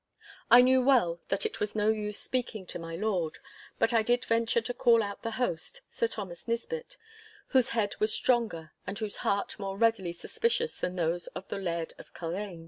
I knew well that it was no use speaking to my lord, but I did venture to call out the host, Sir Thomas Nisbett, whose head was stronger and whose heart more readily suspicious than those of the Laird of Culzean.